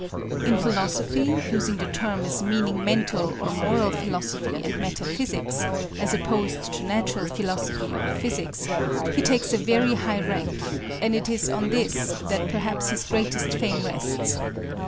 In philosophy, using the term as meaning mental or moral philosophy and metaphysics, as opposed to natural philosophy or physics, he takes a very high rank, and it is on this that perhaps his greatest fame rests.